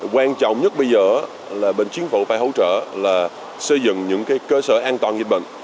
quan trọng nhất bây giờ là bệnh chính phủ phải hỗ trợ là xây dựng những cơ sở an toàn dịch bệnh